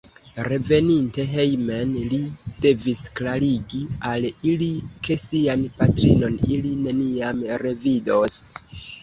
Reveninte hejmen, li devis klarigi al ili, ke sian patrinon ili neniam revidos.